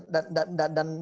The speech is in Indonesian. dan dan dan dan